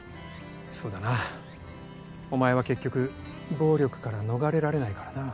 そうだなお前は結局暴力から逃れられないからなぁ。